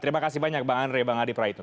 terima kasih banyak bang andri bang adi praito